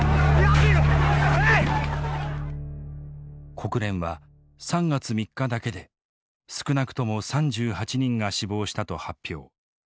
国連は３月３日だけで少なくとも３８人が死亡したと発表。